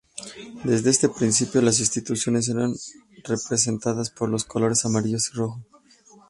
Desde este principio, las instituciones eran representadas por los colores Amarillo y Rojo.